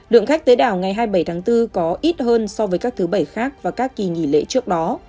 lượng khách tới đảo ngày hai mươi bảy tháng bốn có ít hơn so với các thứ bảy khác và các kỳ nghỉ lễ trước đó